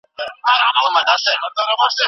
شاه محمود د جګړې په سختو شرایطو کې هم نه تسلیمېده.